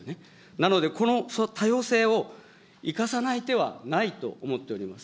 なので、この多様性を生かさない手はないと思っております。